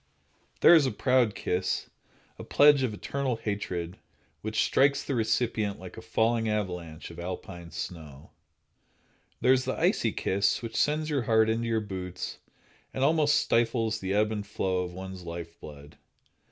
There is the proud kiss, a pledge of eternal hatred, which strikes the recipient like a falling avalanche of Alpine snow. There is the icy kiss, which sends your heart into your boots and almost stifles the ebb and flow of one's life blood.